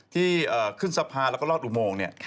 ที่ขึ้นสะพานและรอดอุโมง